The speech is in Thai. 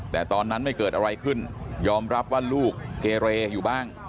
แต่ตอนนั้นไม่เกิดอะไรขึ้นยอมรับว่าลูกเกเรอยู่บ้าง